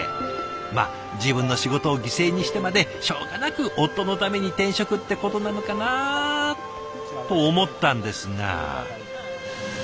まあ自分の仕事を犠牲にしてまでしょうがなく夫のために転職ってことなのかなと思ったんですが。